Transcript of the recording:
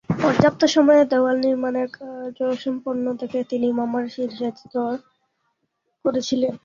পর্যাপ্ত সময়ে দেওয়াল নির্মানের কাজ অসম্পূর্ণ দেখে তিনি মামার শিরশ্ছেদ করেছিলেন।